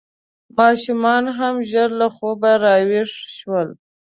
ماشومان هم ژر له خوبه راویښ شول.